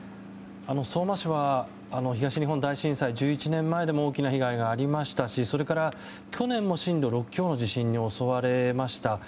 相馬市は東日本大震災、１１年前でも大きな被害がありましたし去年も震度６強の地震に襲われました。